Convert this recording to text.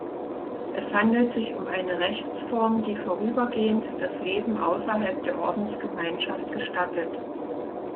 Es handelt sich um eine Rechtsform, die vorübergehend das Leben außerhalb der Ordensgemeinschaft gestattet.